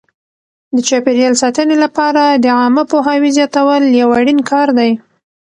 د چاپیریال ساتنې لپاره د عامه پوهاوي زیاتول یو اړین کار دی.